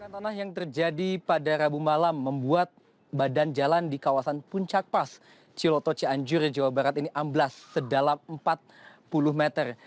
tanah yang terjadi pada rabu malam membuat badan jalan di kawasan puncak pas ciloto cianjur jawa barat ini amblas sedalam empat puluh meter